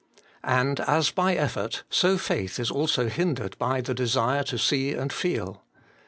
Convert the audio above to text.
And as by effort, so faith is also hindered by the desire to see and feel.